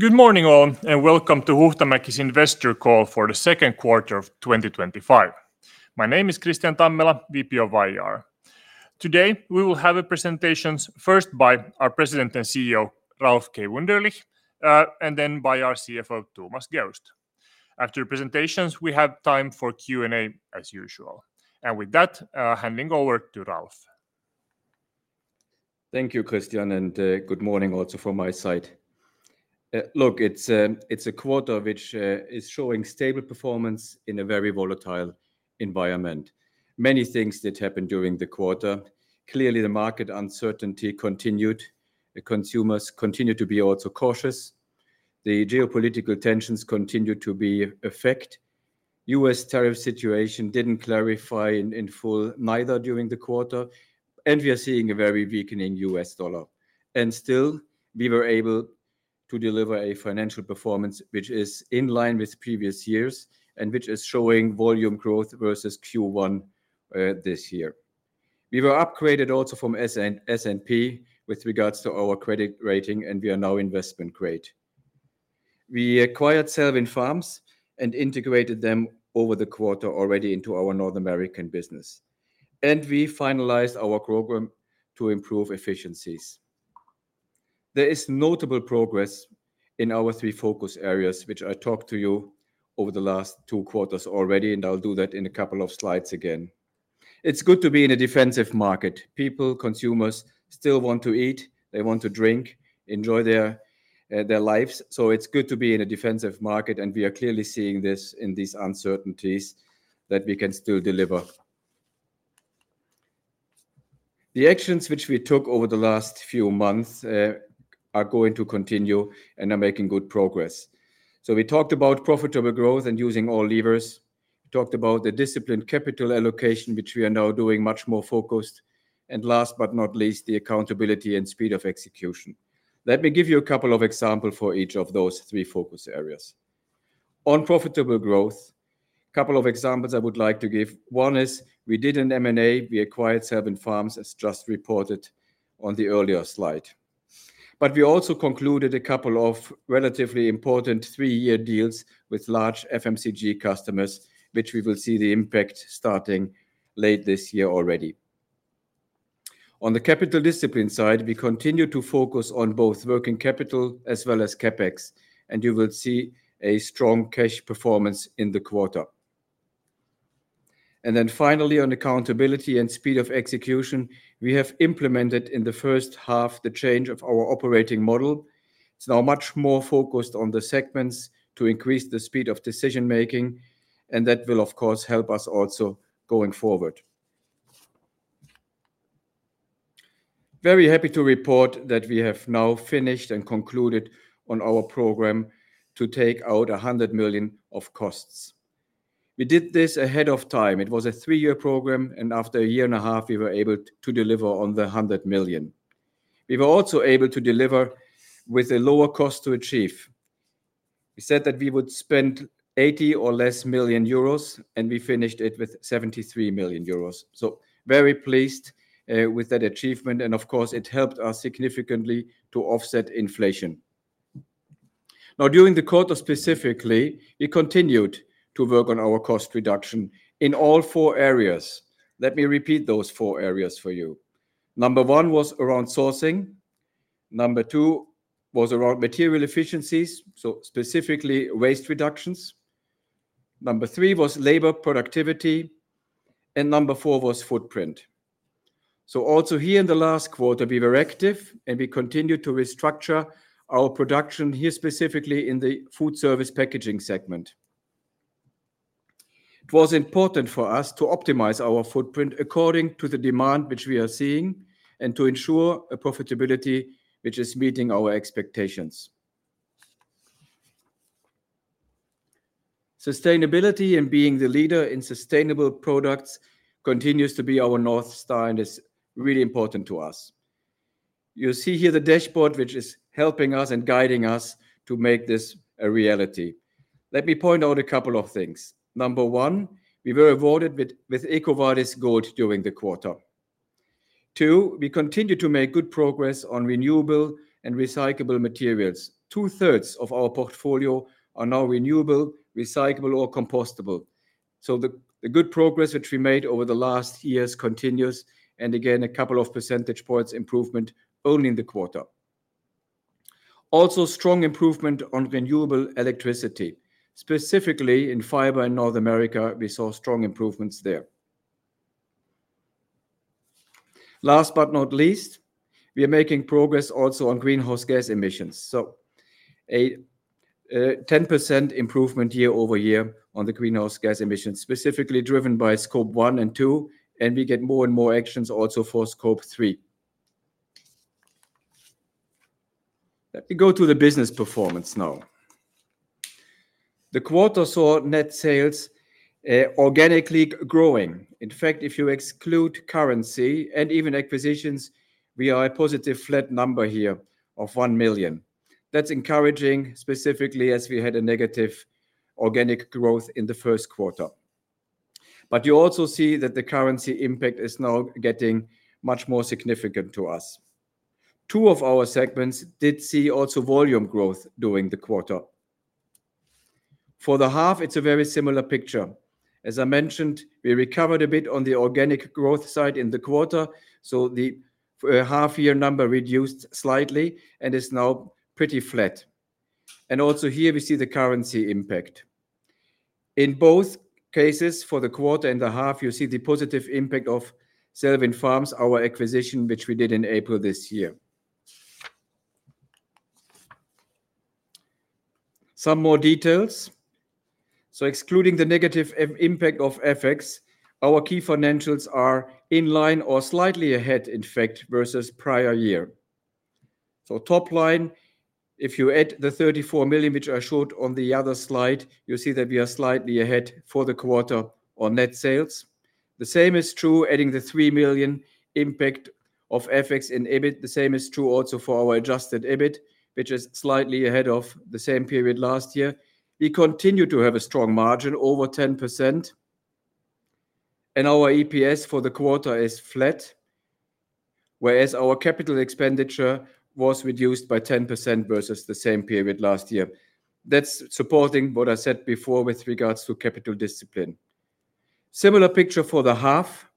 Good morning, and welcome to Hoeghtamaki's Investor Call for the Second Quarter of twenty twenty five. My name is Christian Tanmela, VP of IR. Today, we will have presentations first by our President and CEO, Ralf K. Wunderlich and then by our CFO, Thomas Gjerst. After the presentations, we have time for Q and A as usual. And with that, handing over to Ralf. Thank you, Christian, and good morning also from my side. Look, it's quarter which is showing stable performance in a very volatile environment. Many things that happened during the quarter. Clearly, the market uncertainty continued. Consumers continue to be also cautious. The geopolitical tensions continue to be effect. U. S. Tariff situation didn't clarify in full neither during the quarter, and we are seeing a very weakening U. S. Dollar. And still, we were able to deliver a financial performance, which is in line with previous years and which is showing volume growth versus Q1 this year. We were upgraded also from S and P with regards to our credit rating, and we are now investment grade. We acquired Selwyn Farms and integrated them over the quarter already into our North American business, and we finalized our program to improve efficiencies. There is notable progress in our three focus areas, which I talked to you over the last two quarters already, and I'll do that in a couple of slides again. It's good to be in a defensive market. People, consumers still want to eat. They want to drink, enjoy their their lives. So it's good to be in a defensive market, and we are clearly seeing this in these uncertainties that we can still deliver. The actions which we took over the last few months are going to continue and are making good progress. So we talked about profitable growth and using all levers. We talked about the disciplined capital allocation, which we are now doing much more focused. And last but not least, the accountability and speed of execution. Let me give you a couple of examples for each of those three focus areas. On profitable growth, a couple of examples I would like to give. One is we did an M and A. We acquired Serbent Farms, as just reported on the earlier slide. But we also concluded a couple of relatively important three year deals with large FMCG customers, which we will see the impact starting late this year already. On the capital discipline side, we continue to focus on both working capital as well as CapEx, and you will see a strong cash performance in the quarter. And then finally, on accountability and speed of execution, we have implemented in the first half the change of our operating model. It's now much more focused on the segments to increase the speed of decision making, and that will, of course, help us also going forward. Very happy to report that we have now finished and concluded on our programme to take out €100,000,000 of costs. We did this ahead of time. It was a three year program. And after EUR one years, point we were able to deliver on the 100,000,000. We were also able to deliver with a lower cost to achieve. We said that we would spend 80,000,000 or less, and we finished it with €73,000,000 So very pleased with that achievement. And of course, it helped us significantly to offset inflation. Now during the quarter specifically, we continued to work on our cost reduction in all four areas. Let me repeat those four areas for you. Number one was around sourcing. Number two was around material efficiencies, so specifically waste reductions. Number three was labor productivity. And number four was footprint. So also here in the last quarter, we were active and we continued to restructure our production here specifically in the Foodservice Packaging segment. It was important for us to optimize our footprint according to the demand which we are seeing and to ensure a profitability which is meeting our expectations. Sustainability and being the leader in sustainable products continues to be our north star and is really important to us. You see here the dashboard which is helping us and guiding us to make this a reality. Let me point out a couple of things. Number one, we were awarded with EcoVadis Gold during the quarter. Two, we continue to make good progress on renewable and recyclable materials. Twothree of our portfolio are now renewable, recyclable or compostable. So the good progress which we made over the last years continues and again a couple of percentage points improvement only in the quarter. Also strong improvement on renewable electricity. Specifically, in fiber in North America, we saw strong improvements there. Last but not least, we are making progress also on greenhouse gas emissions. So a 10% improvement year over year on the greenhouse gas emissions, specifically driven by Scope one and two, and we get more and more actions also for Scope three. Let me go to the business performance now. The quarter saw net sales organically growing. In fact, if you exclude currency and even acquisitions, we are a positive flat number here of €1,000,000 That's encouraging, specifically as we had a negative organic growth in the first quarter. But you also see that the currency impact is now getting much more significant to us. Two of our segments did see also volume growth during the quarter. For the half, it's a very similar picture. As I mentioned, we recovered a bit on the organic growth side in the quarter. So the half year number reduced slightly and is now pretty flat. And also here, we see the currency impact. In both cases, for the quarter and the half, you see the positive impact of Selwyn Farms, our acquisition, which we did in April. Some more details. So excluding the negative impact of FX, our key financials are in line or slightly ahead, in fact, versus prior year. So top line, if you add the €34,000,000 which I showed on the other slide, you see that we are slightly ahead for the quarter on net sales. The same is true adding the 3,000,000 impact of FX and EBIT. The same is true also for our adjusted EBIT, which is slightly ahead of the same period last year. We continue to have a strong margin, over 10%. And our EPS for the quarter is flat, whereas our capital expenditure was reduced by 10% versus the same period last year. That's supporting what I said before with regards to capital discipline. Similar picture for the half.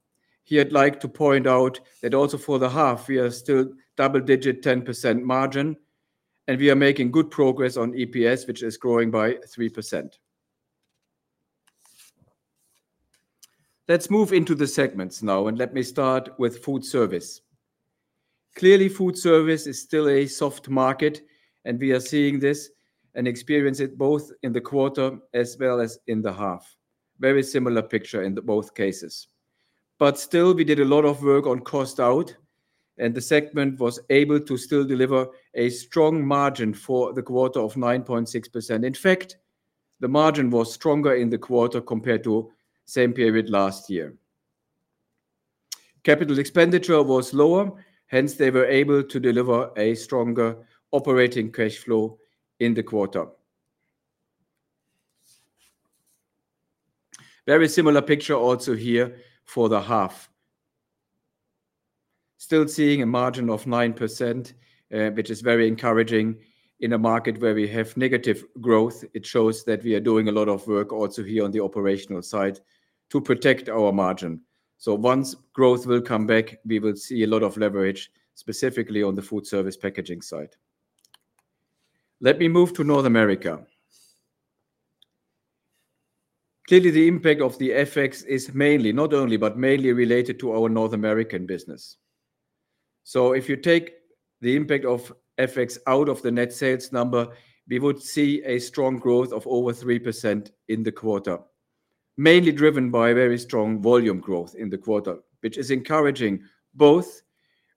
Here, I'd like to point out that also for the half, we are still double digit 10% margin, and we are making good progress on EPS, which is growing by 3%. Let's move into the segments now and let me start with Foodservice. Clearly, Foodservice is still a soft market and we are seeing this and experienced it both in the quarter as well as in the half, very similar picture in both cases. But still, we did a lot of work on cost out and the segment was able to still deliver a strong margin for the quarter of 9.6%. In fact, the margin was stronger in the quarter compared to same period last year. Capital expenditure was lower, hence they were able to deliver a stronger operating cash flow in the quarter. Very similar picture also here for the half. Still seeing a margin of 9%, which is very encouraging in a market where we have negative growth. It shows that we are doing a lot of work also here on the operational side to protect our margin. So once growth will come back, we will see a lot of leverage, specifically on the foodservice packaging side. Let me move to North America. Clearly, the impact of the FX is mainly not only, but mainly related to our North American business. So if you take the impact of FX out of the net sales number, we would see a strong growth of over 3% in the quarter, mainly driven by very strong volume growth in the quarter, which is encouraging both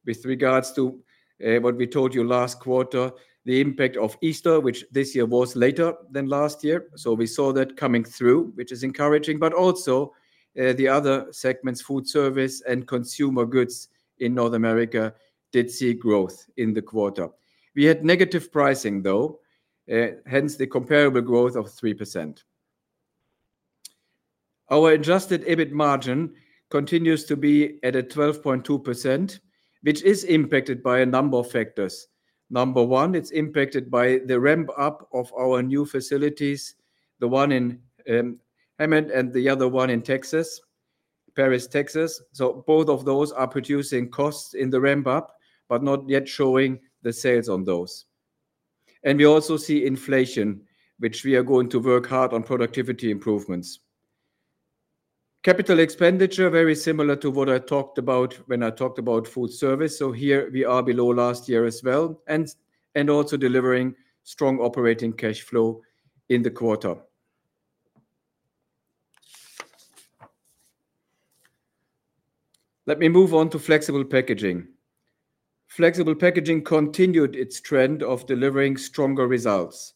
with regards to what we told you last quarter, the impact of Easter, which this year was later than last year. So we saw that coming through, which is encouraging. But also, the other segments, foodservice and consumer goods in North America, did see growth in the quarter. We had negative pricing, though, hence the comparable growth of 3%. Our adjusted EBIT margin continues to be at 12.2%, which is impacted by a number of factors. Number one, it's impacted by the ramp up of our new facilities, the one in Hemet and the other one in Texas Paris, Texas. So both of those are producing costs in the ramp up, but not yet showing the sales on those. And we also see inflation, which we are going to work hard on productivity improvements. Capital expenditure, very similar to what I talked about when I talked about foodservice. So here, we are below last year as well and also delivering strong operating cash flow in the quarter. Let me move on to Flexible Packaging. Flexible Packaging continued its trend of delivering stronger results.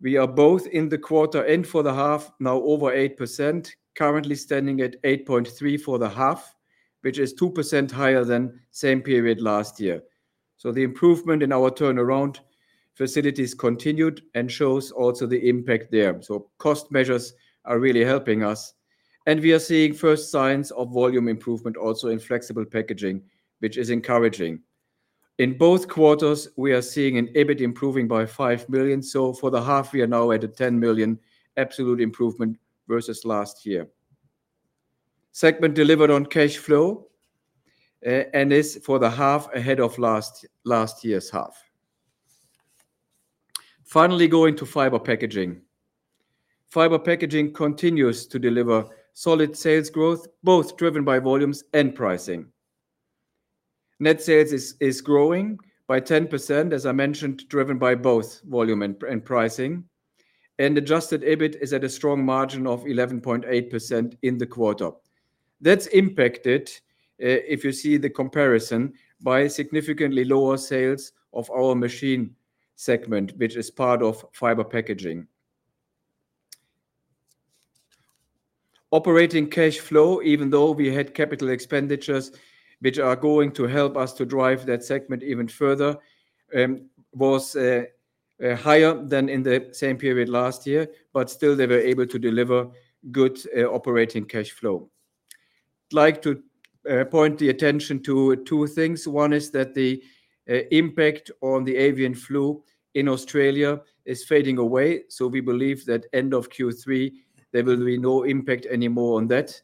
We are both in the quarter and for the half now over 8%, currently standing at 8.3% for the half, which is 2% higher than same period last year. So the improvement in our turnaround facilities continued and shows also the impact there. So cost measures are really helping us. And we are seeing first signs of volume improvement also in Flexible Packaging, which is encouraging. In both quarters, we are seeing an EBIT improving by 5,000,000. So for the half year now, we're 10,000,000 absolute improvement versus last year. Segment delivered on cash flow and is for the half ahead of last year's half. Finally, going to Fiber Packaging. Fiber Packaging continues to deliver solid sales growth, both driven by volumes and pricing. Net sales is growing by 10%, as I mentioned, driven by both volume and pricing. And adjusted EBIT is at a strong margin of 11.8% in the quarter. That's impacted, if you see the comparison, by significantly lower sales of our machine segment, which is part of fiber packaging. Operating cash flow, even though we had capital expenditures, which are going to help us to drive that segment even further, was higher than in the same period last year, but still they were able to deliver good operating cash flow. I'd like to point the attention to two things. One is that the impact on the avian flu in Australia is fading away, so we believe that end of Q3, there will be no impact anymore on that.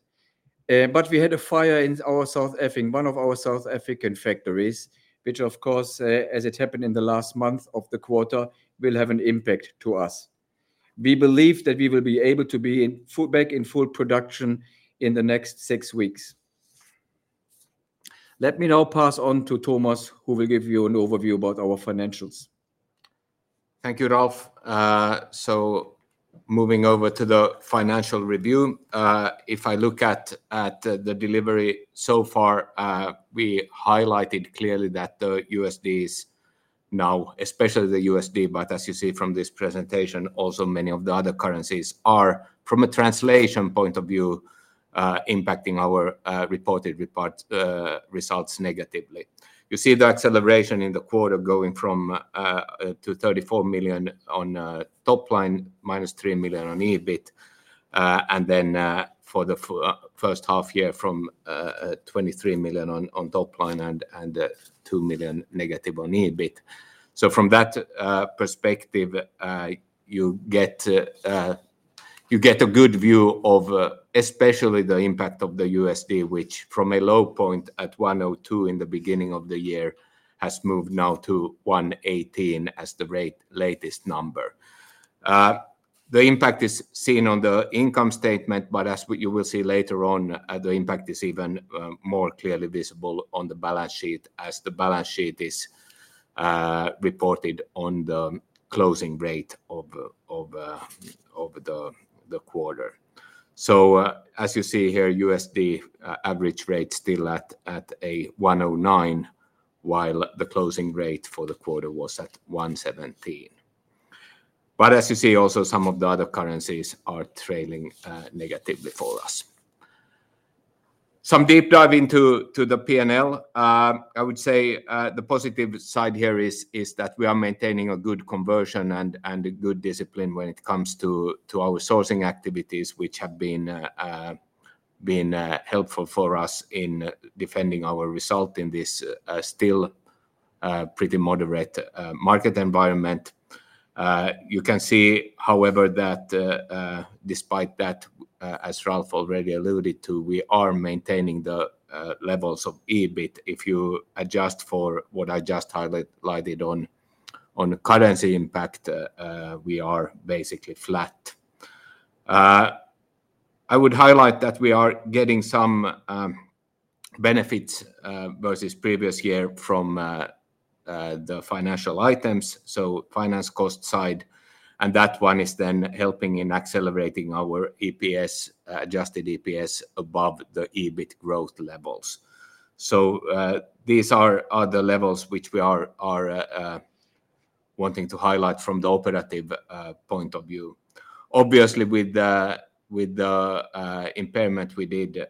But we had a fire in our South Effingham, one of our South African factories, which, of course, as it happened in the last month of the quarter, will have an impact to us. We believe that we will be able to be in full back in full production in the next six weeks. Let me now pass on to Thomas, who will give you an overview about our financials. Thank you, Ralf. So moving over to the financial review. If I look at the delivery so far, we highlighted clearly that the USD is now, especially the USD, but as you see from this presentation, also many of the other currencies are, from a translation point of view, impacting our reported results negatively. You see the acceleration in the quarter going from to €34,000,000 on top line, minus €3,000,000 on EBIT. And then for the first half year from €23,000,000 on top line and €2,000,000 negative on EBIT. So from that perspective, get a good view of especially the impact of the USD, which from a low point at one zero two in the beginning of the year has moved now to one eighteen as the rate latest number. The impact is seen on the income statement. But as you will see later on, the impact is even more clearly visible on the balance sheet as the balance sheet is reported on the closing rate of the quarter. So as you see here, USD average rate still at a 1.09, while the closing rate for the quarter was at 1.17. But as you see also some of the other currencies are trailing negative before us. Some deep dive into the P and L. I would say the positive side here is that we are maintaining a good conversion and and a good discipline when it comes to to our sourcing activities, which have been been helpful for us in defending our result in this still pretty moderate market environment. You can see, however, that despite that, as Ralph already alluded to, we are maintaining the levels If you adjust for what I just highlighted on the currency impact, we are basically flat. I would highlight that we are getting some benefits versus previous year from the financial items, so finance cost side. And that one is then helping in accelerating our EPS, adjusted EPS above the EBIT growth levels. So these are the levels which we are wanting to highlight from the operative point of view. Obviously, with the impairment we did,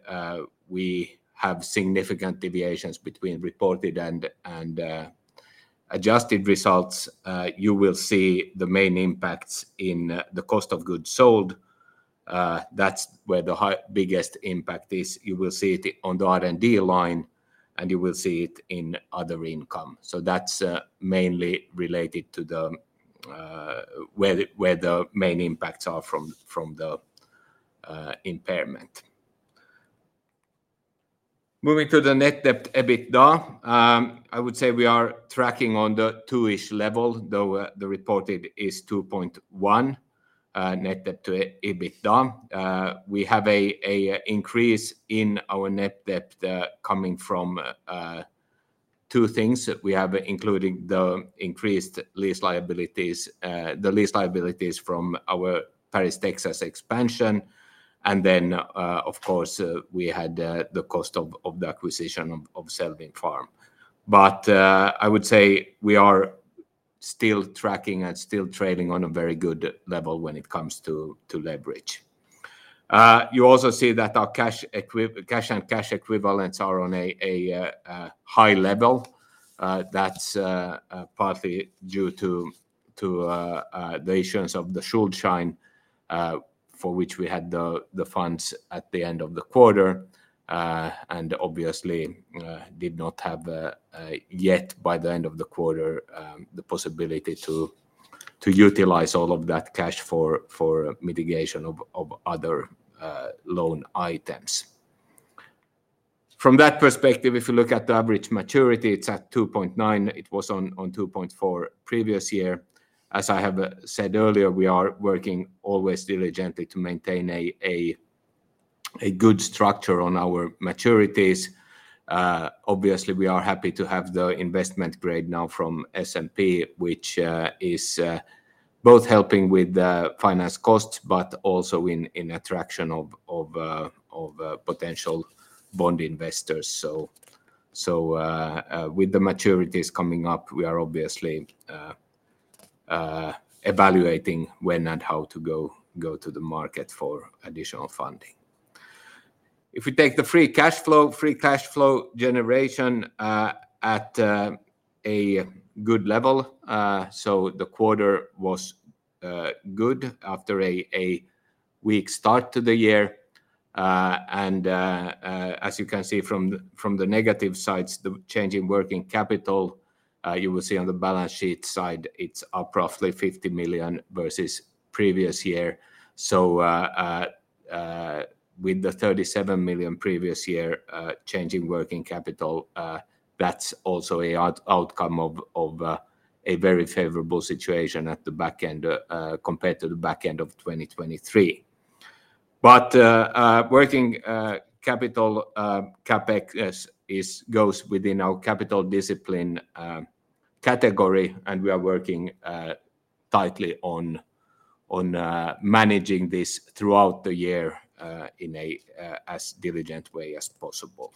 we have significant deviations between reported and adjusted results. You will see the main impacts in the cost of goods sold. That's where the biggest impact is. You will see it on the R and D line, and you will see it in other income. So that's mainly related to the where the main impacts are from the impairment. Moving to the net debtEBITDA. I would say we are tracking on the two ish level, though the reported is 2.1 net debt to EBITDA. We have an increase in our net debt coming from two things. We have including the increased lease liabilities, the lease liabilities from our Paris, Texas expansion. And then, of course, we had the cost of the acquisition of Selwyn Farm. But I would say we are still tracking and still trading on a very good level when it comes to leverage. You also see that our cash and cash equivalents are on a high level. That's partly due to the issuance of the Schuldschein for which we had the funds at the end of the quarter and obviously did not have yet by the end of the quarter the possibility to utilize all of that cash for mitigation of other loan items. From that perspective, if you look at the average maturity, it's at 2.9%. It was on 2.4% previous year. As I have said earlier, we are working always diligently to maintain a good structure on our maturities. Obviously, we are happy to have the investment grade now from S and P, which is both helping with the finance costs, but also in in attraction of of of potential bond investors. So so with the maturities coming up, we are obviously evaluating when and how to go go to the market for additional funding. If we take the free cash flow free cash flow generation at a good level. So the quarter was good after a a weak start to the year. And as you can see from from the negative sides, the change in working capital, you will see on the balance sheet side, it's up roughly €50,000,000 versus previous year. So with the €37,000,000 previous year change in working capital, That's also a outcome of a very favorable situation at the back end compared to the back end of 2023. But working capital CapEx is goes within our capital discipline category, and we are working tightly on on managing this throughout the year in a as diligent way as possible.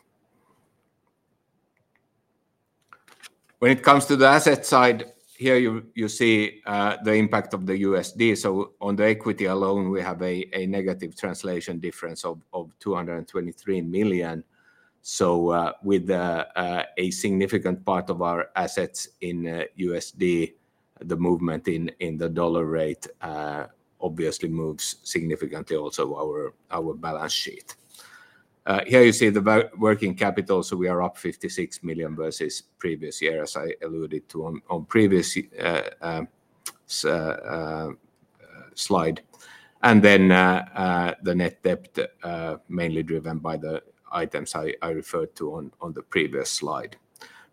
When it comes to the asset side, here, you you see the impact of the USD. So on the equity alone, we have a a negative translation difference of of 223,000,000. So with a significant part of our assets in USD, the movement in in the dollar rate obviously moves significantly also our our balance sheet. Here, see the working capital. So we are up €56,000,000 versus previous year, as I alluded to on previous slide. And then the net debt, mainly driven by the items I referred to on the previous slide.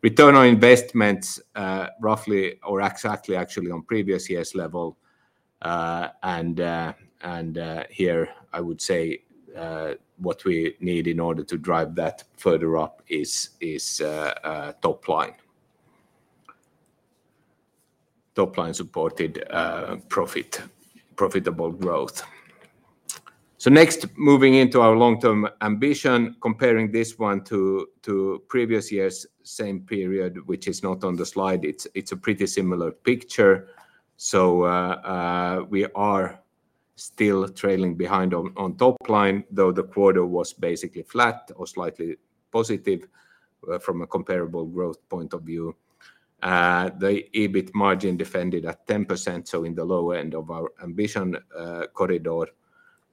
Return on investments roughly or exactly actually on previous year's level. And here, I would say, what we need in order to drive that further up is top line supported profit profitable growth. So next, moving into our long term ambition, comparing this one to previous year's same period, which is not on the slide. It's a pretty similar picture. So we are still trailing behind on top line, though the quarter was basically flat or slightly positive from a comparable growth point of view. The EBIT margin defended at 10%, so in the lower end of our ambition corridor.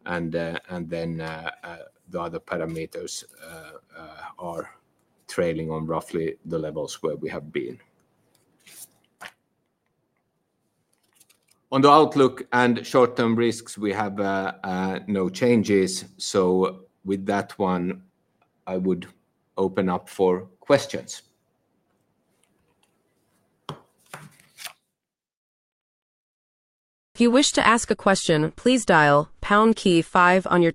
And then the other parameters are trailing on roughly the levels where we have been. On the outlook and short term risks, we have no changes. So with that one, I would open up for questions. Next question comes from James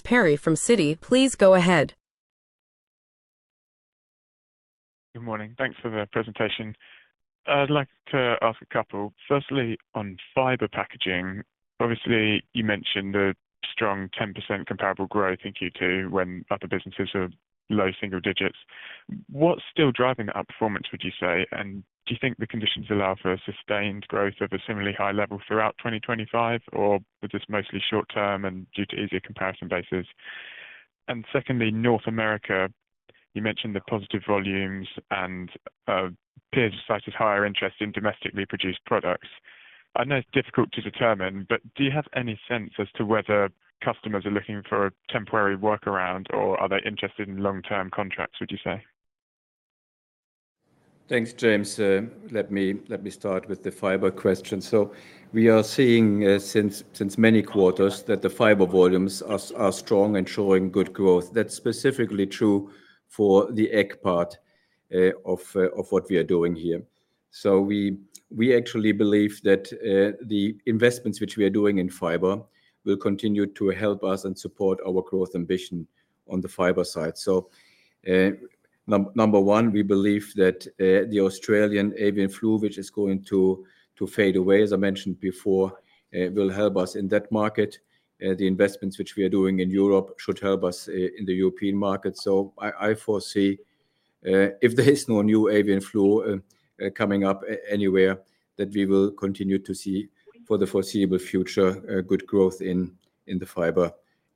Perry from Citi. Please go ahead. Good morning. Thanks for the presentation. I'd like to ask a couple. Firstly, on fiber packaging. Obviously, you mentioned a strong 10% comparable growth in Q2 when other businesses are low single digits. What's still driving the outperformance, would you say? And do you think the conditions allow for a sustained growth of a similarly high level throughout 2025? Or is this mostly short term and due to easier comparison basis? And secondly, North America, you mentioned the positive volumes and peers cited higher interest in domestically produced products. I know it's difficult to determine, but do you have any sense as to whether customers are looking for a temporary workaround? Or are they interested in long term contracts, would you say? Thanks, James. Let me start with the fiber question. So we are seeing since many quarters that the fiber volumes are strong and showing good growth. That's specifically true for the ag part of what we are doing here. So we actually believe that the investments which we are doing in fiber will continue to help us and support our growth ambition on the fiber side. So number one, we believe that the Australian avian flu, which is going to fade away, as I mentioned before, will help us in that market. The investments which we are doing in Europe should help us in the European market. So I foresee if there is no new avian flu coming up anywhere that we will continue to see for the foreseeable future good growth in the fiber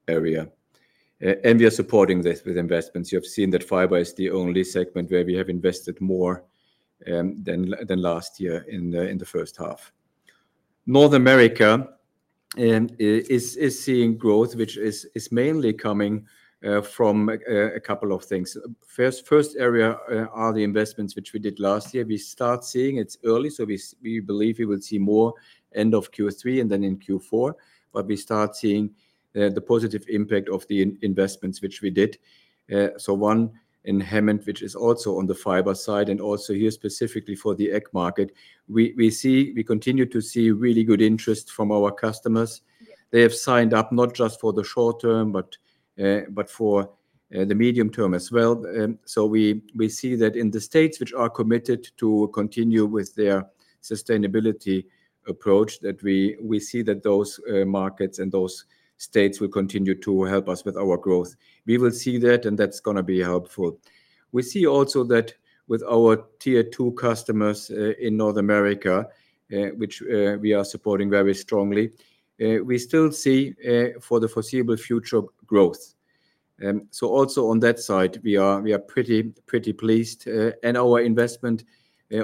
area. And we are supporting this with investments. You have seen that fiber is the only segment where we have invested more than last year in the first half. North America is seeing growth, which is mainly coming from a couple of things. First area are the investments which we did last year. We start seeing it's early, so we believe we will see more end of Q3 and then in Q4. But we start seeing the positive impact of the investments which we did. So one in Hemant, which is also on the fiber side and also here specifically for the ag market, we see we continue to see really good interest from our customers. They have signed up not just for the short term, but for the medium term as well. So we see that in the states which are committed to continue with their sustainability approach that we see that those markets and those states will continue to help us with our growth. We will see that, and that's going to be helpful. We see also that with our Tier two customers in North America, which we are supporting very strongly, we still see for the foreseeable future growth. So also on that side, we are pretty pleased, and our investment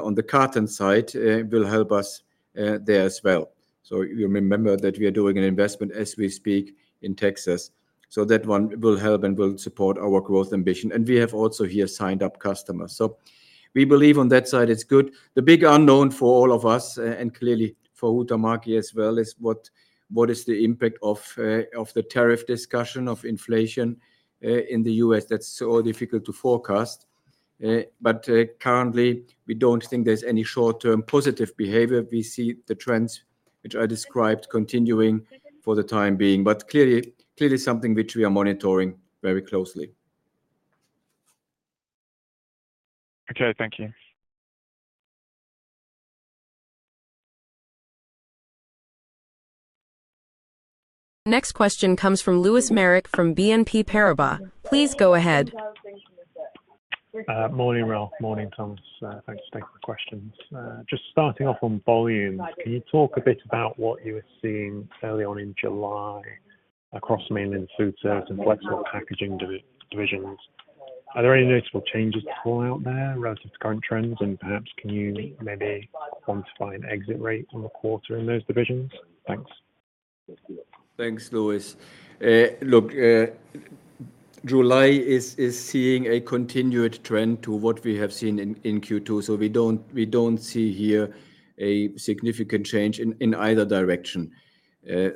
on the carton side will help us there as well. So you remember that we are doing an investment as we speak in Texas. So that one will help and will support our growth ambition. And we have also here signed up customers. So we believe on that side, it's good. The big unknown for all of us and clearly for UTAMAKI as well, is what is the impact of the tariff discussion of inflation in The U. S. That's so difficult to forecast. But currently, we don't think there's any short term positive behavior. We see the trends, which I described continuing for the time being, but clearly something which we are monitoring very closely. Okay. Thank you. Next question comes from Lewis Merrick from BNP Paribas. Please go ahead. Morning Ralph, morning Thomas. Thanks for taking the questions. Just starting off on volumes, can you talk a bit about what you were seeing early on in July across Mainland Food Service and flexible packaging divisions? Are there any noticeable changes to pull out there relative current trends? And perhaps can you maybe quantify an exit rate in the quarter in those divisions? Thanks, Louis. Look, July is seeing a continued trend to what we have seen in Q2. So we don't see here a significant change in either direction.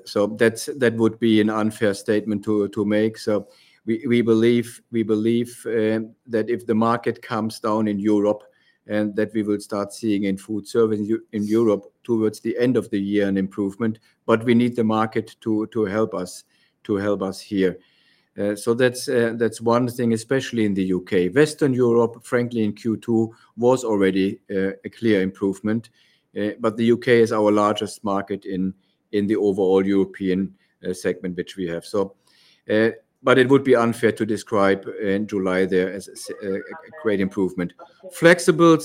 So that would be an unfair statement to make. So we we believe we believe that if the market comes down in Europe and that we will start seeing in foodservice in Europe towards the end of the year an improvement, but we need the market to to help us to help us here. So that's one thing, especially in The UK. Western Europe, frankly, Q2 was already a clear improvement, but The UK is our largest market in the overall European segment, which we have. So but it would be unfair to describe July there as a great improvement. Flexibles,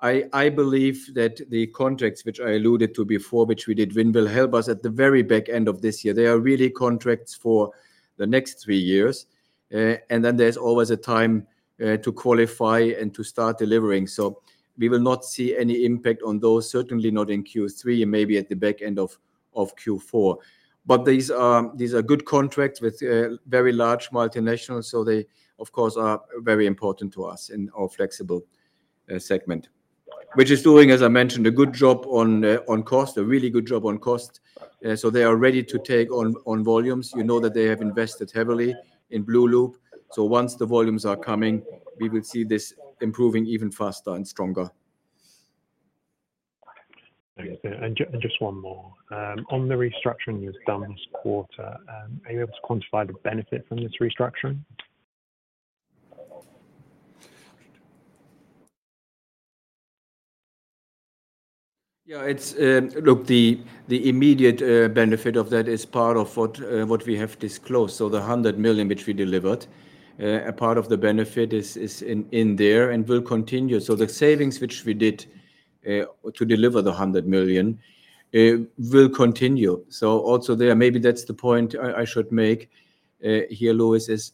I believe that the contracts, which I alluded to before, which we did win will help us at the very back end of this year. They are really contracts for the next three years. And then there's always a time to qualify and to start delivering. So we will not see any impact on those, certainly not in Q3, maybe at the back end of Q4. But these are good contracts with very large multinationals. So they, of course, are very important to us in our flexible segment, which is doing, as I mentioned, a good job on cost, a really good job on cost. So they are ready to take on volumes. You know that they have invested heavily in Blue Loop. So once the volumes are coming, we would see this improving even faster and stronger. And just one more. On the restructuring you've done this quarter, are you able to quantify the benefit from this restructuring? Yes, it's look, the immediate benefit of that is part of what we have disclosed. So the €100,000,000 which we delivered, a part of the benefit is in there and will continue. So the savings which we did to deliver the €100,000,000 will continue. So also there, maybe that's the point I should make here, Louis, is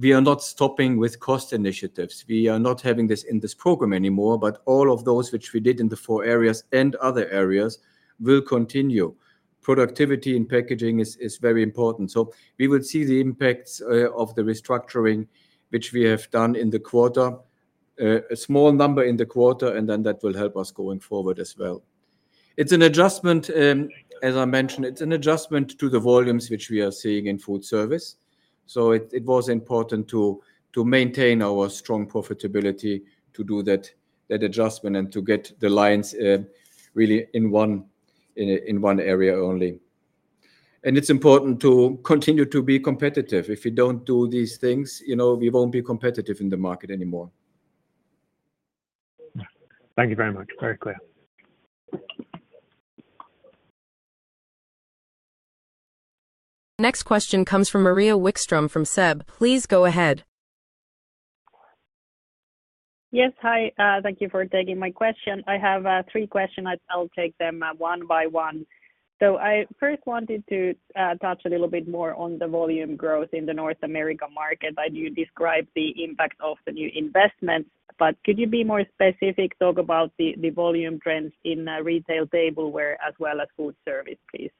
we are not stopping with cost initiatives. We are not having this in this program anymore, but all of those which we did in the four areas and other areas will continue. Productivity in packaging is very important. So we would see the impacts of the restructuring, which we have done in the quarter, a small number in the quarter, and then that will help us going forward as well. It's an adjustment as I mentioned, it's an adjustment to the volumes which we are seeing in Foodservice. So it was important to maintain our strong profitability to do that adjustment and to get the lines really in one area only. And it's important to continue to be competitive. If you don't do these things, you know, we won't be competitive in the market anymore. Thank you very much. Very clear. Next question comes from Maria Wickstrom from SEB. Please go ahead. Yes. Hi. Thank you for taking my question. I have, three questions. I I'll take them one by one. So I first wanted to touch a little bit more on the volume growth in the North American market. You described the impact of the new investments. But could you be more specific, talk about the volume trends in retail tableware as well as foodservice, please?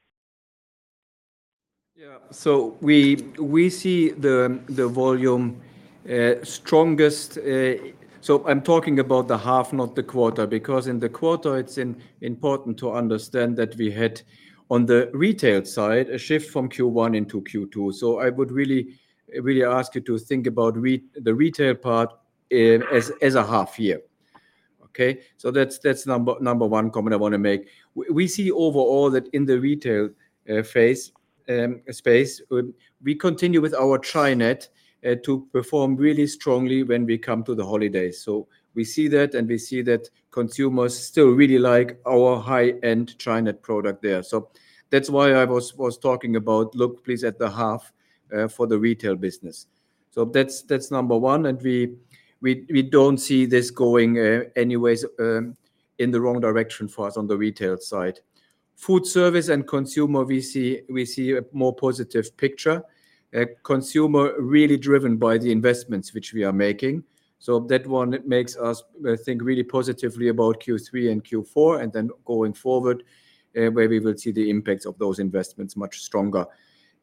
Yes. So we see the volume strongest. So I'm talking about the half, not the quarter, because in the quarter, it's important to understand that we had, on the retail side, a shift from Q1 into Q2. So I would really ask you to think about the retail part as a half year, okay? So that's number one comment I want to make. We see overall that in the retail phase space, we continue with our TriNet to perform really strongly when we come to the holidays. So we see that, and we see that consumers still really like our high end TriNet product there. So that's why I was talking about, look, please, at the half for the retail business. So that's number one. And we don't see this going anyways in the wrong direction for us on the retail side. Foodservice and Consumer, we see a more positive picture. Consumer really driven by the investments which we are making. So that one makes us think really positively about Q3 and Q4 and then going forward, where we will see the impacts of those investments much stronger.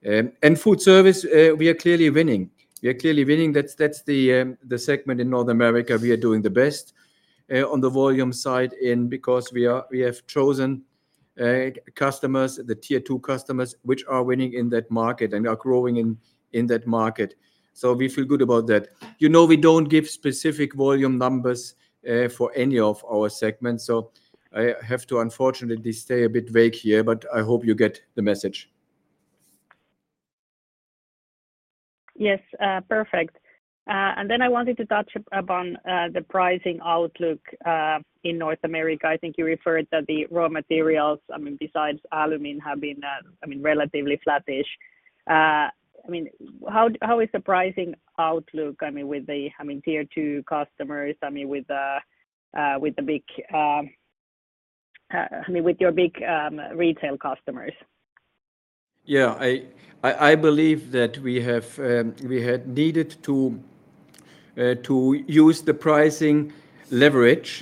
And foodservice, we are clearly winning. We are clearly winning. That's the segment in North America we are doing the best on the volume side and because we have chosen customers, the Tier two customers, which are winning in that market and are growing in that market. So we feel good about that. We don't give specific volume numbers for any of our segments. So I have to unfortunately stay a bit vague here, but I hope you get the message. Yes. Perfect. And then I wanted to touch upon the pricing outlook in North America. I think you referred that the raw materials, I mean, besides aluminum have been, I mean, relatively flattish. I mean, how how is the pricing outlook, I mean, with the, I mean, tier two customers, I mean, with with the big I mean, with your big retail customers? Yes. I believe that we have we had needed to use the pricing leverage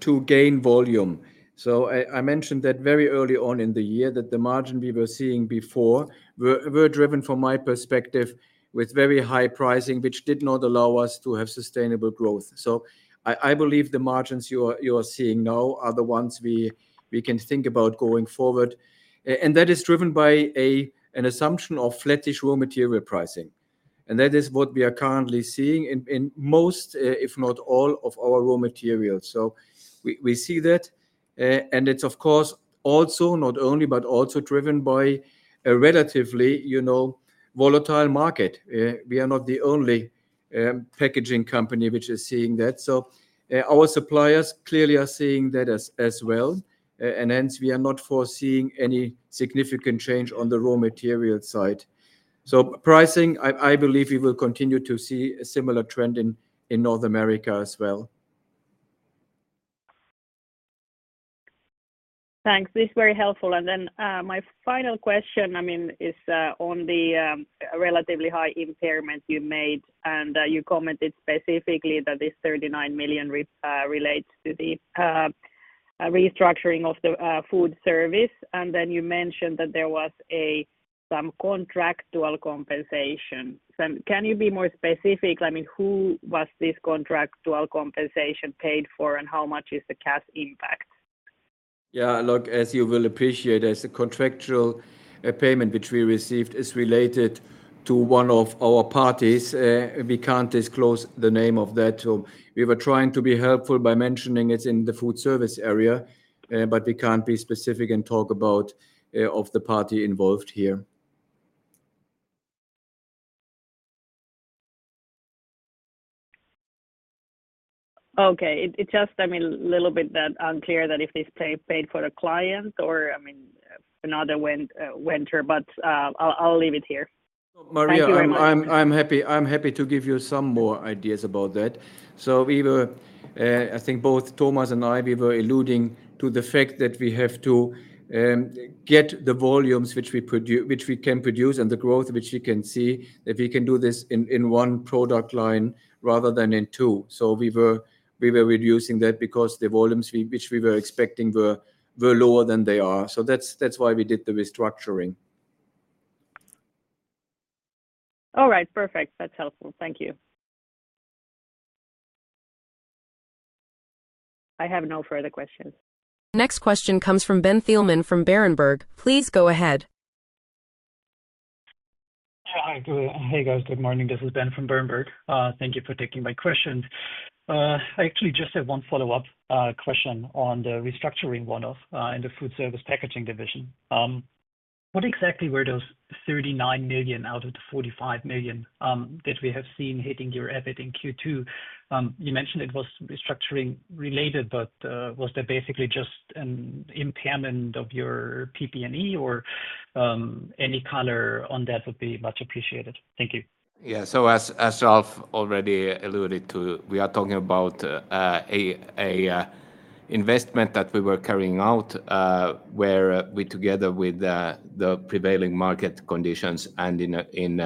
to gain volume. So I mentioned that very early on in the year that the margin we were seeing before were driven, from my perspective, with very high pricing, which did not allow us to have sustainable growth. So I believe the margins you are seeing now are the ones we can think about going forward. And that is driven by an assumption of flattish raw material pricing. And that is what we are currently seeing in most, if not all, of our raw materials. So we see that. And it's, of course, also not only but also driven by a relatively volatile market. We are not the only packaging company which is seeing that. So our suppliers clearly are seeing that as well. And hence, we are not foreseeing any significant change on the raw material side. So pricing, I believe we will continue to see a similar trend in North America as well. Thanks. That's very helpful. And then my final question, I mean, is on the relatively high impairment you made, and you commented specifically that this 39,000,000 relates to the restructuring of the foodservice. And then you mentioned that there was a some contractual compensation. Can you be more specific? I mean, who was this contractual compensation paid for and how much is the cash impact? Yes. Look, as you will appreciate, there's a contractual payment which we received is related to one of our parties, we can't disclose the name of that. Were trying to be helpful by mentioning it's in the foodservice area, but we can't be specific and talk about of the party involved here. Okay. It it just, I mean, a little bit that unclear that if they pay paid for the client or, I mean, another winter, but I'll leave it here. Maria, you I'm happy to give you some more ideas about that. So we were I think both Thomas and I, we were alluding to the fact that we have to get the volumes which we can produce and the growth which we can see that we can do this in one product line rather than in two. So we were reducing that because the volumes which we were expecting were lower than they are. So that's why we did the restructuring. All right. Perfect. That's helpful. Thank you. I have no further questions. Next question comes from Ben Thielman from Berenberg. Please go ahead. Hi. Good hey, guys. Good morning. This is Ben from Berenberg. Thank you for taking my questions. I actually just have one follow-up question on the restructuring one off in the food service packaging division. What exactly were those 39,000,000 out of the 45,000,000 that we have seen hitting your EBIT in q two? You mentioned it was restructuring related, but was that basically just an impairment of your PP and E? Or any color on that would be much appreciated. Yes. So as Ralph already alluded to, we are talking about an investment that we were carrying out where we, together with the prevailing market conditions and in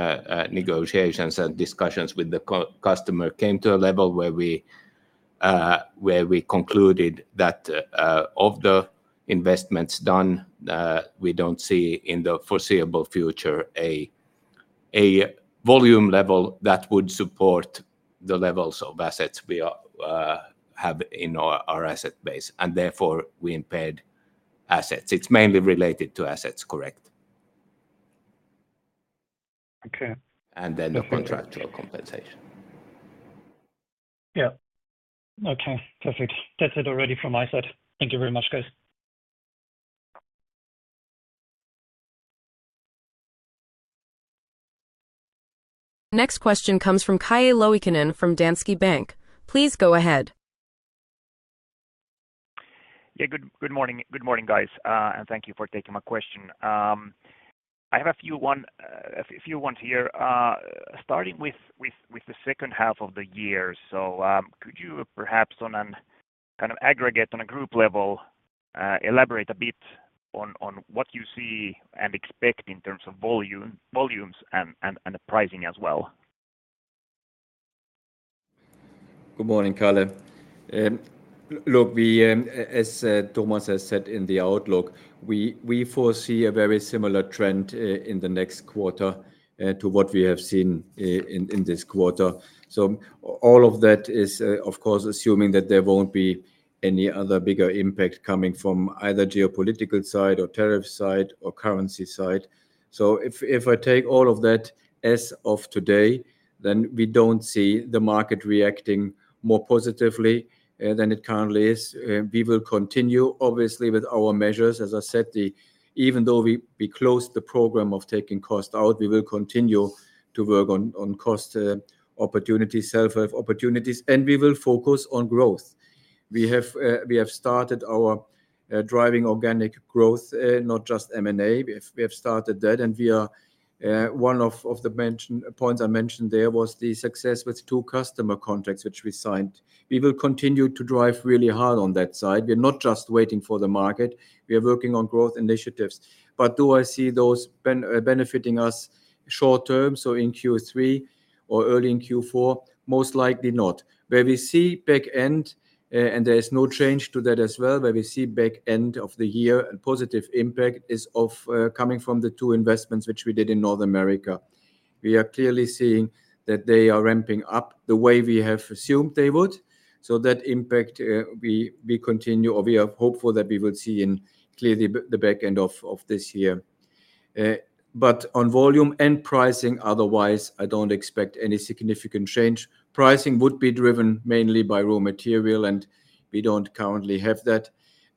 negotiations and discussions with the customer, came to a level where we concluded that of the investments done, we don't see in the foreseeable future a volume level that would support the levels of assets we have in our asset base. And therefore, we impaired assets. It's mainly related to assets, correct, Okay. And then the contractual compensation. Yep. Okay. Perfect. That's it already from my side. Thank you very much, guys. Next question comes from Kaeyi Loikenin from Danske Bank. Please go ahead. Yeah. Good morning. Good morning, guys, and thank you for taking my question. I have a few ones here. Starting with the second half of the year, so could you perhaps on an kind of aggregate on a group level elaborate a bit on what you see and expect in terms of volumes and pricing as well? Morning, Karl. Look, we as Thomas has said in the outlook, we foresee a very similar trend in the next quarter to what we have seen in this quarter. So all of that is, of course, assuming that there won't be any other bigger impact coming from either geopolitical side or tariff side or currency side. So if I take all of that as of today, then we don't see the market reacting more positively than it currently is. We will continue, obviously, with our measures. As I said, even though we closed the program of taking cost out, we will continue to work on cost opportunities, self help opportunities, and we will focus on growth. We have started our driving organic growth, not just M and A. We have started that. And we are one of the mentioned points I mentioned there was the success with two customer contracts, which we signed. We will continue to drive really hard on that side. We're not just waiting for the market. We are working on growth initiatives. But do I see those benefiting us short term, so in Q3 or early in Q4? Most likely not. Where we see back end, and there is no change to that as well, where we see back end of the year and positive impact is of coming from the two investments which we did in North America. We are clearly seeing that they are ramping up the way we have assumed they would. So that impact, we we continue or we are hopeful that we would see in clearly the back end of of this year. But on volume and pricing, otherwise, I don't expect any significant change. Pricing would be driven mainly by raw material, and we don't currently have that.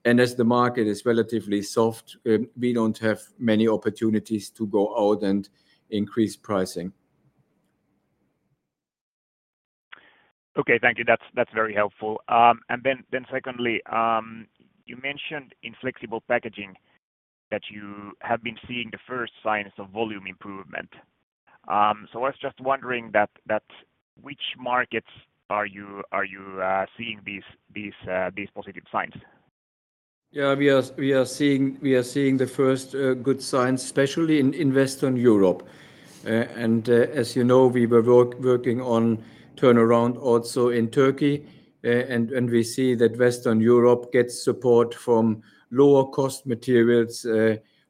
And as the market is relatively soft, we don't have many opportunities to go out and increase pricing. Okay. That's very helpful. And then secondly, you mentioned in Flexible Packaging that you have been seeing the first signs of volume improvement. So I was just wondering that which markets are you seeing these positive signs? Yes, we are seeing the first good signs, especially in Western Europe. And as you know, we were working on turnaround also in Turkey, and we see that Western Europe gets support from lower cost materials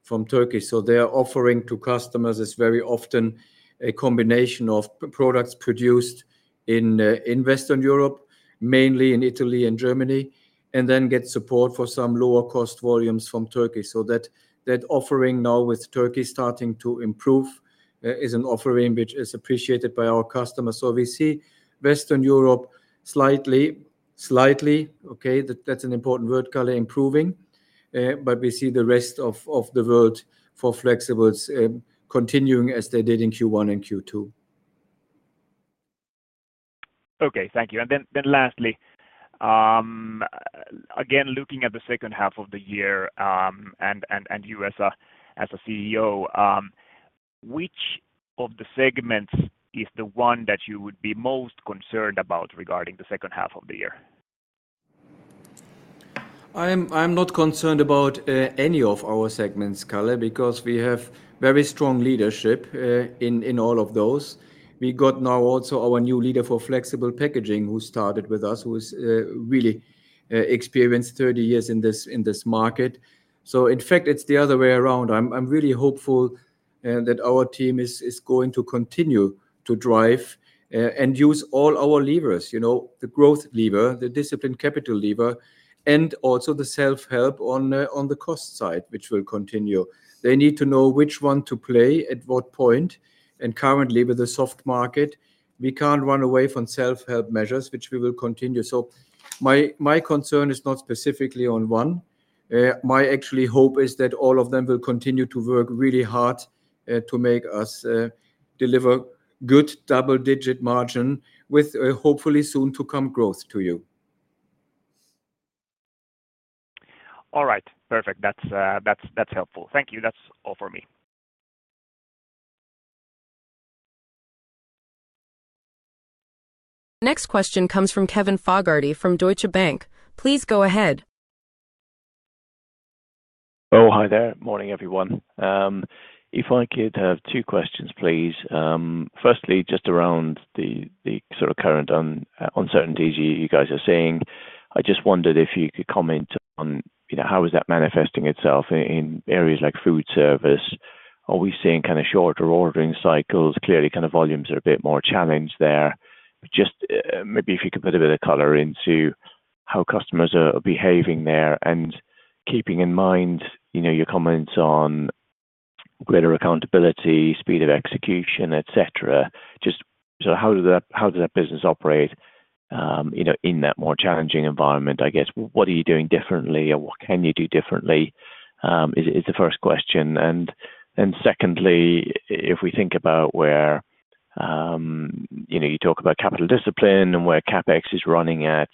from Turkey. So they are offering to customers is very often a combination of products produced in Western Europe, mainly in Italy and Germany, and then get support for some lower cost volumes from Turkey. So that offering now with Turkey starting to improve is an offering which is appreciated by our customers. So we see Western Europe slightly, slightly, okay, that's an important word color improving. But we see the rest of the world for flexibles continuing as they did in Q1 and Q2. Okay. Thank you. And then lastly, again, looking at the second half of the year you as a CEO, which of the segments is the one that you would be most concerned about regarding the second half of the year? I'm not concerned about any of our segments, Kalle, because we have very strong leadership in all of those. We got now also our new leader for flexible packaging who started with us, who has really experienced thirty years in this market. So in fact, it's the other way around. I'm really hopeful that our team is is going to continue to drive and use all our levers, you know, the growth lever, the disciplined capital lever and also the self help on on the cost side, which will continue. They need to know which one to play at what point. And currently, with the soft market, we can't run away from self help measures, which we will continue. So my my concern is not specifically on one. My actually hope is that all of them will continue to work really hard to make us deliver good double digit margin with hopefully soon to come growth to you. Alright. Perfect. That's, that's that's helpful. Thank you. That's all for me. Next question comes from Kevin Fogarty from Deutsche Bank. Please go ahead. Oh, hi there. Good morning, everyone. If I could have two questions, please. Firstly, just around the sort of current uncertainties you guys are seeing. I just wondered if you could comment on how is that manifesting itself in areas like foodservice? Are we seeing kind of shorter ordering cycles? Clearly, kind of volumes are a bit more challenged there. Just maybe if you could put a bit of color into how customers are behaving there and keeping in mind, you know, your comments on greater accountability, speed of execution, Just so how does that how does that business operate, in that more challenging environment? Guess, what are you doing differently or what can you do differently is the first question. And secondly, if we think about where you talk about capital discipline and where CapEx is running at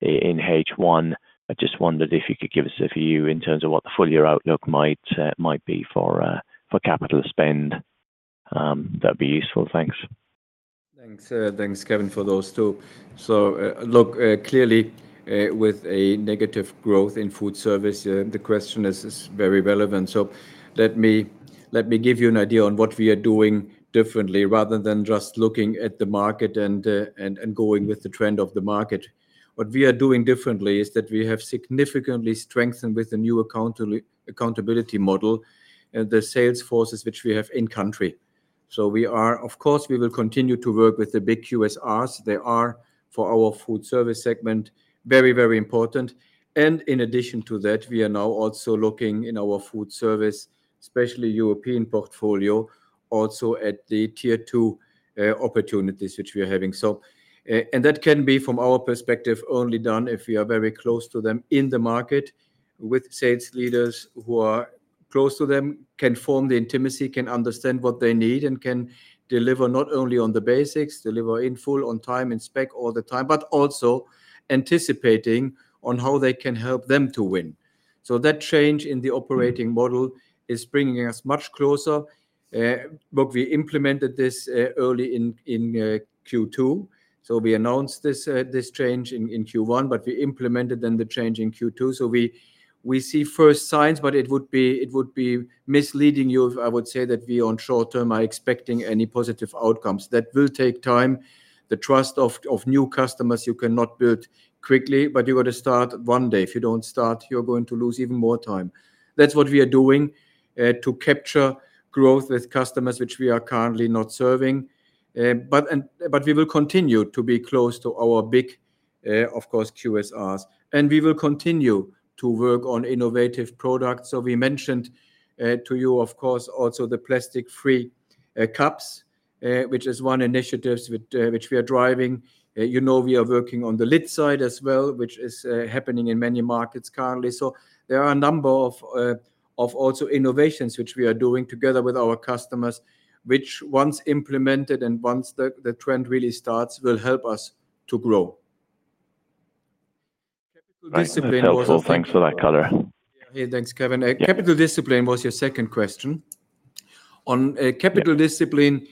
in H1. I just wondered if you could give us a view in terms of what the full year outlook might be for capital spend. That would be useful. Thanks, Kevin, for those two. So look, clearly, with a negative growth in foodservice, the question is very relevant. So let me give you an idea on what we are doing differently rather than just looking at the market and and and going with the trend of the market. What we are doing differently is that we have significantly strengthened with the new account model and the sales forces which we have in country. So we are of course, we will continue to work with the big QSRs. They are, for our foodservice segment, very, very important. And in addition to that, we are now also looking in our foodservice, especially European portfolio, also at the tier two opportunities which we are having. So and that can be, from our perspective, only done if we are very close to them in the market with sales leaders who are close to them, can form the intimacy, can understand what they need, and can deliver not only on the basics, deliver in full on time, inspect all the time, but also anticipating on how they can help them to win. So that change in the operating model is bringing us much closer. But we implemented this early in in q two. So we announced this this change in in q one, but we implemented then the change in q two. So we see first signs, but it would be it would be misleading you if I would say that we, on short term, are expecting any positive outcomes. That will take time. The trust of of new customers, you cannot build quickly, but you got to start one day. If you don't start, you're going to lose even more time. That's what we are doing to capture growth with customers which we are currently not serving. But we will continue to be close to our big, of course, QSRs. And we will continue to work on innovative products. So we mentioned to you, of course, also the plastic free cups, which is one initiative which we are driving. You know we are working on the lit side as well, which is happening in many markets currently. So there are a number of also innovations which we are doing together with our customers, which, once implemented and once the trend really starts, will help us to grow. Discipline Thanks was for that color. Thanks, Kevin. Capital discipline was your second question. Capital discipline,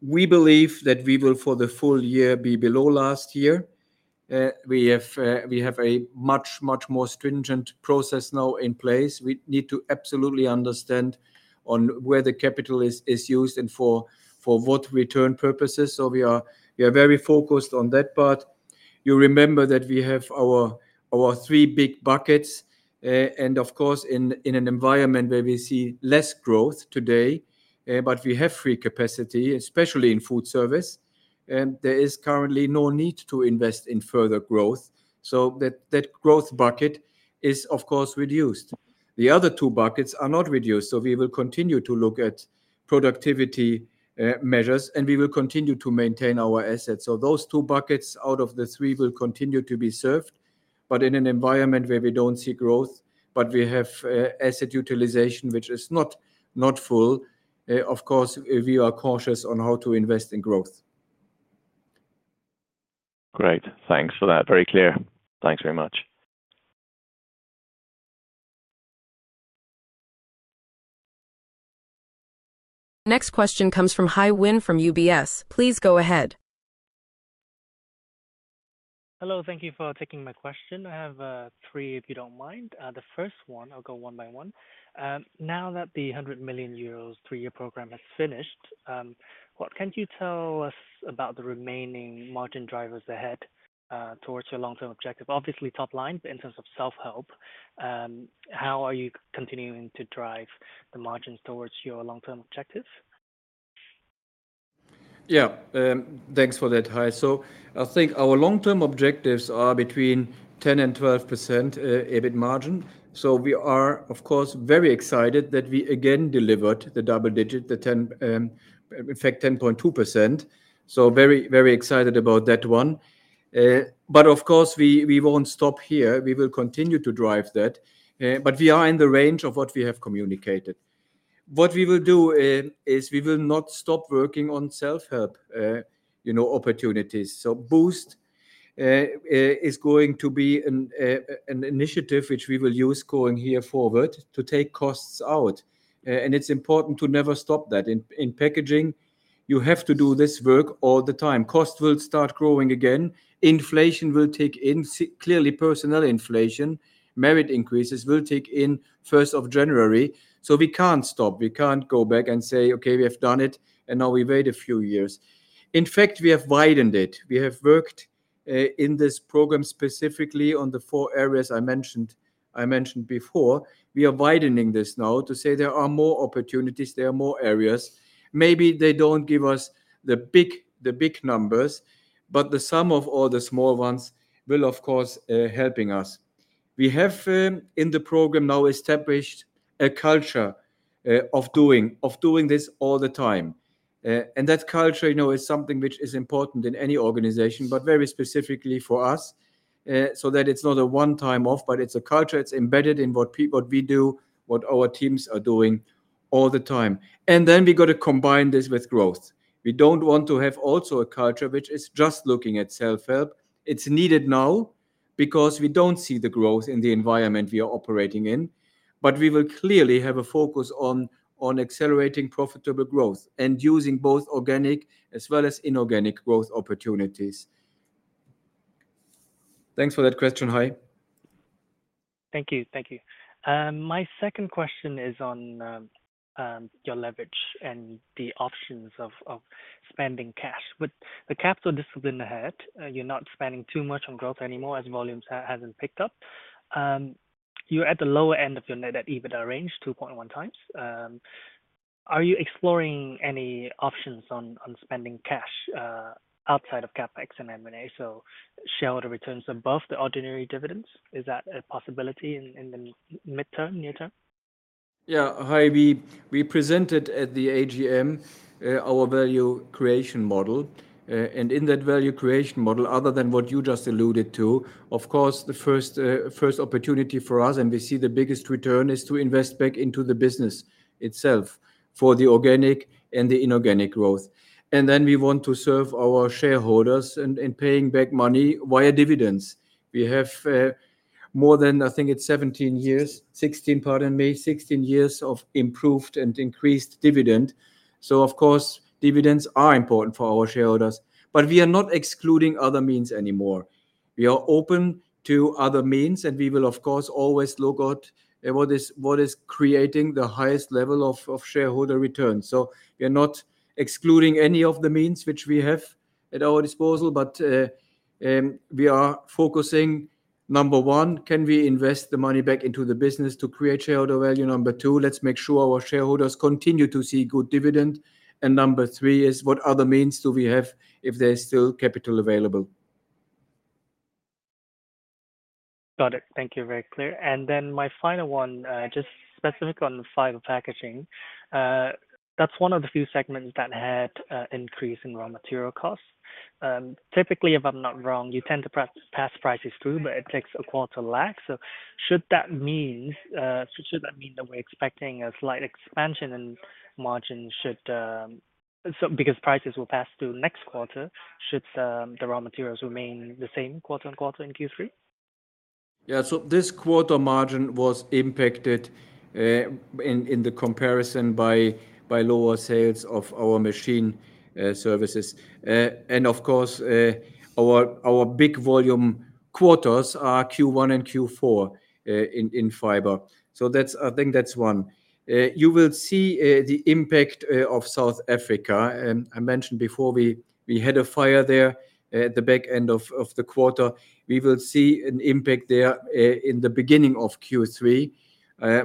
we believe that we will, for the full year, be below last year. We have a much, much more stringent process now in place. We need to absolutely understand on where the capital is used and for what return purposes. So we are very focused on that part. You remember that we have our three big buckets. And of course, in an environment where we see less growth today, but we have free capacity, especially in foodservice, and there is currently no need to invest in further growth. So that growth bucket is, of course, reduced. The other two buckets are not reduced. So we will continue to look at productivity measures, and we will continue to maintain our assets. So those two buckets out of the three will continue to be served. But in an environment where we don't see growth, but we have asset utilization, which is not full, of course, we are cautious on how to invest in growth. Great. Thanks for that. Very clear. Thanks very much. Next question comes from Hai Win from UBS. Please go ahead. Hello. Thank you for taking my question. I have three, if you don't mind. The first one, I'll go one by one. Now that the €100,000,000 three year program has finished, what can you tell us about the remaining margin drivers ahead towards your long term objective? Obviously, top line, but in terms of self help, How are you continuing to drive the margins towards your long term objective? Yes. Thanks for that, Kai. So I think our long term objectives are between 1012% EBIT margin. So we are, of course, very excited that we again delivered the double digit, the in fact, point 2%. So very, very excited about that one. But of course, we won't stop here. We will continue to drive that. But we are in the range of what we have communicated. What we will do is we will not stop working on self help, you know, opportunities. So Boost, is going to be an initiative which we will use going here forward to take costs out. And it's important to never stop that. In packaging, you have to do this work all the time. Costs will start growing again. Inflation will take in. Clearly, personnel inflation, merit increases will take in first of January. So we can't stop. We can't go back and say, okay, we have done it, and now we wait a few years. In fact, we have widened it. We have worked, in this program specifically on the four areas I mentioned I mentioned before, we are widening this now to say there are more opportunities, there are more areas. Maybe they don't give us the big the big numbers, but the sum of all the small ones will, of course, helping us. We have in the program now established a culture of doing of doing this all the time. And that culture, you know, is something which is important in any organization, but very specifically for us so that it's not a one time off, but it's a culture. It's embedded in what what we do, what our teams are doing all the time. And then we got to combine this with growth. We don't want to have also a culture which is just looking at self help. It's needed now because we don't see the growth in the environment we are operating in. But we will clearly have a focus on accelerating profitable growth and using both organic as well as inorganic growth opportunities. Thanks for that question, Kai. Thank you. Thank you. My second question is on your leverage and the options of spending cash. With the capital discipline ahead, you're not spending too much on growth anymore as volumes hasn't picked up. You're at the lower end of your net debt EBITDA range, 2.1 times. Are you exploring any options on on spending cash outside of CapEx and m and a? So shareholder returns above the ordinary dividends. Is that a possibility in the midterm, near term? Yes. We presented at the AGM our value creation model. And in that value creation model, other than what you just alluded to, of course, the first opportunity for us, and we see the biggest return, is to invest back into the business itself for the organic and the inorganic growth. And then we want to serve our shareholders and paying back money via dividends. We have more than, I think, it's seventeen years 16, pardon me, sixteen years of improved and increased dividend. So of course, dividends are important for our shareholders. But we are not excluding other means anymore. We are open to other means, and we will, of course, always look out at what is what is creating the highest level of of shareholder return. So we are not excluding any of the means which we have at our disposal, but we are focusing, number one, can we invest the money back into the business to create shareholder value number two, let's make sure our shareholders continue to see good dividend And number three is what other means do we have if there's still capital available. Got it. Thank you. Very clear. And then my final one, just specific on fiber packaging. That's one of the few segments that had increase in raw material costs. Typically, if I'm not wrong, you tend to pass prices through, but it takes a quarter lag. So should that mean should that mean that we're expecting a slight expansion in margin should because prices will pass through next quarter, should the raw materials remain the same quarter on quarter in Q3? Yes. So this quarter margin was impacted in the comparison by lower sales of our machine services. And of course, our big volume quarters are Q1 and Q4 in fiber. So that's I think that's one. You will see the impact of South Africa. I mentioned before, had a fire there at the back end of the quarter. We will see an impact there in the beginning of Q3.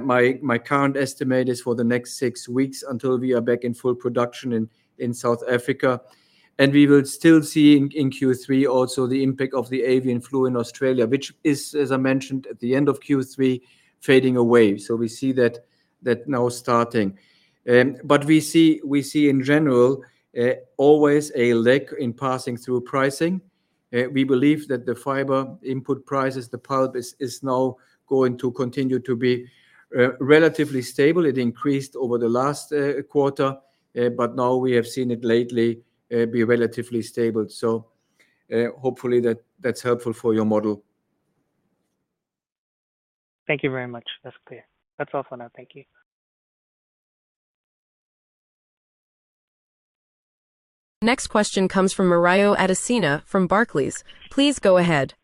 My current estimate is for the next six weeks until we are back in full production in South Africa. And we will still see in Q3 also the impact of the avian flu in Australia, which is, as I mentioned, at the end of Q3 fading away. So we see that now starting. But we see in general always a lag in passing through pricing. We believe that the fiber input prices, the pulp is now going to continue to be relatively stable. It increased over the last quarter, but now we have seen it lately be relatively stable. So hopefully, that's helpful for your model. Thank you very much. That's clear. That's all for now. Thank you. Next question comes from Morayo Adesina from Barclays. Please go ahead.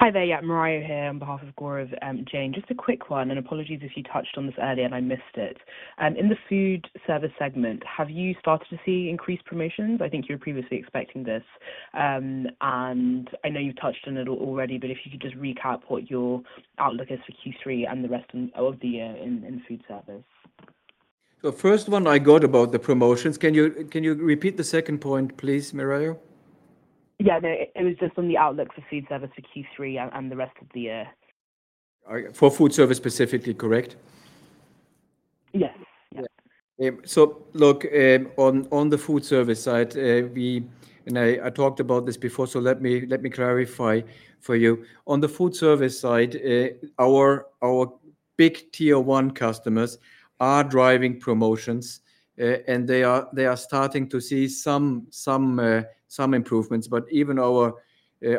Hi there. Yeah. Moriah here on behalf of Gaurav and Jane. Just a quick one, and apologies if you touched on this earlier and I missed it. In the food service segment, have you started to see increased promotions? I think you're previously expecting this. I know you've touched on it already, but if you could just recap what your outlook is for Q3 and the rest of the year in foodservice. The first one I got about the promotions. Can you repeat the second point, please, Maria? Yes. It was just on the outlook for foodservice for Q3 and the rest of the year. For foodservice specifically, correct? Yes. So look, on the foodservice side, we and I talked about this before, so let clarify for you. On the foodservice side, our big Tier one customers are driving promotions, and they are starting to see improvements. But even our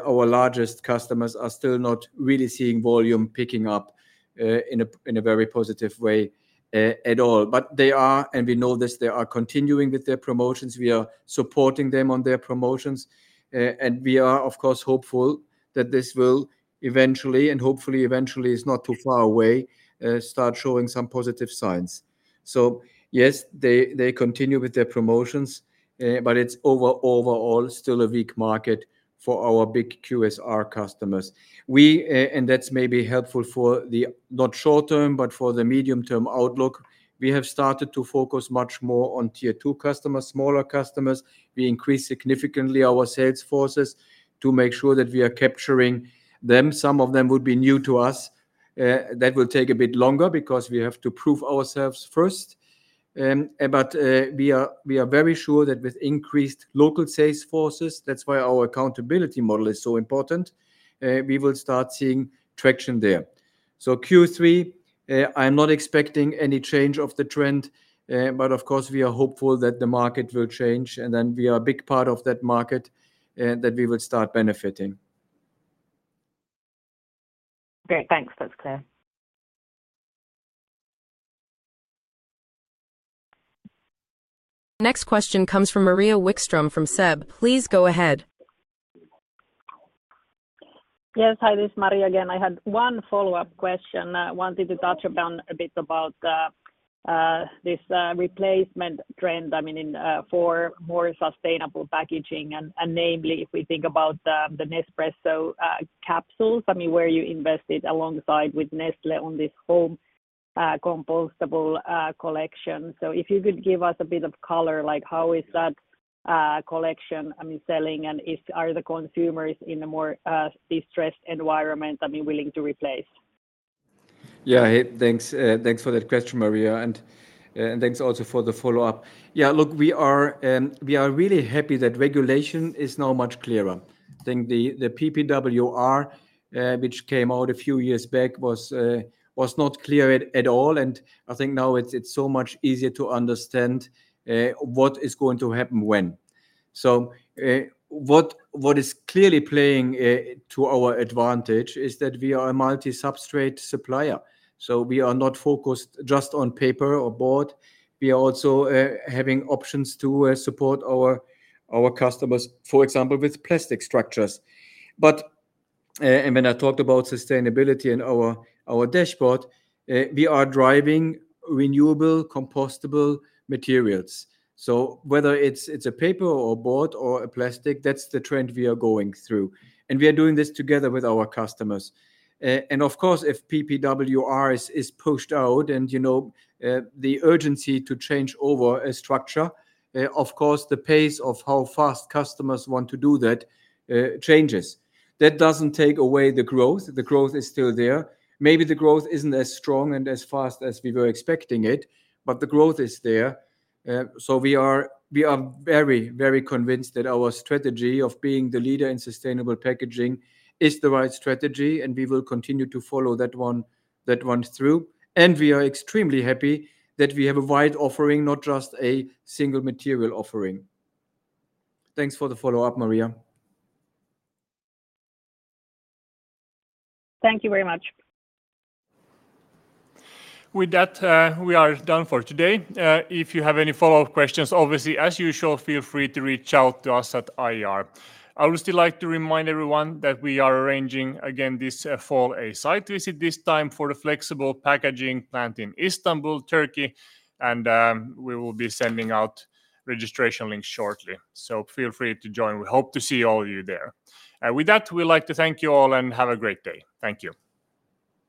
our largest customers are still not really seeing volume picking up in a in a very positive way at all. But they are, and we know this, they are continuing with their promotions. We are supporting them on their promotions. And we are, of course, hopeful that this will eventually, and hopefully, eventually, it's not too far away, start showing some positive signs. So, yes, they they continue with their promotions, but it's over overall still a weak market for our big QSR customers. We and that's maybe helpful for the not short term, but for the medium term outlook. We have started to focus much more on Tier two customers, smaller customers. We increased significantly our sales forces to make sure that we are capturing them. Some of them would be new to us. That will take a bit longer because we have to prove ourselves first. But, we are we are very sure that with increased local sales forces, that's why our accountability model is so important, we will start seeing traction there. So q three, I'm not expecting any change of the trend, but, of course, we are hopeful that the market will change, and then we are a big part of that market, that we will start benefiting. Great. Thanks. That's clear. Next question comes from Maria Wickstrom from SEB. Please go ahead. Yes. Hi. This is Maria again. I had one follow-up question. I wanted to touch upon a bit about this replacement trend, I mean, in for more sustainable packaging and and, namely, if we think about the Nespresso capsules, I mean, where you invested alongside with Nestle on this whole compostable collection. So if you could give us a bit of color, like how is that collection, I mean, selling? And if are the consumers in a more distressed environment, I mean, willing to replace? Yes. Thanks for that question, Maria, and thanks also for the follow-up. Yes, look, we are really happy that regulation is now much clearer. I think the PPWR, which came out a few years back, was was not clear at at all. And I think now it's it's so much easier to understand, what is going to happen when. So what what is clearly playing to our advantage is that we are a multi substrate supplier. So we are not focused just on paper or board. We are also having options to support our customers, for example, with plastic structures. But and when I talked about sustainability in our dashboard, we are driving renewable compostable materials. So whether it's it's a paper or a board or a plastic, that's the trend we are going through. And we are doing this together with our customers. And, of course, if PPWR is is pushed out and, you know, the urgency to change over a structure, of course, the pace of how fast customers want to do that, changes. That doesn't take away the growth. The growth is still there. Maybe the growth isn't as strong and as fast as we were expecting it, but the growth is there. So we are we are very, convinced that our strategy of being the leader in sustainable packaging is the right strategy, and we will continue to follow that one that one through. And we are extremely happy that we have a wide offering, not just a single material offering. Thanks for the follow-up, Maria. Thank you very much. With that, we are done for today. If you have any follow-up questions, obviously, as usual, feel free to reach out to us at IR. I would still like to remind everyone that we are arranging, again, this fall, a site visit this time for the flexible packaging plant in Istanbul, Turkey, and we will be sending out registration links shortly. So feel free to join. We hope to see all of you there. With that, we'd like to thank you all, and have a great day. Thank you.